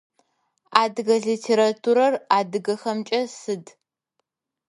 Адыгэ литературэр адыгэхэмкӏэ сыд?